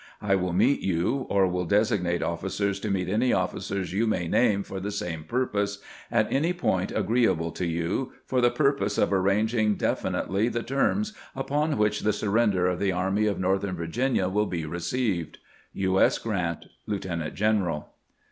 I wiU meet you, or will designate officers to meet any officers you may name for the same purpose, at any point agreeable to you, for the purpose of arranging definitely the terms upon which the surrender of the Army of Northern Virginia wiU be received. U. S. Grant, Lieutenant general.